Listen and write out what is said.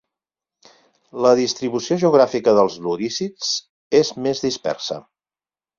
La distribució geogràfica dels lorísids, és més dispersa.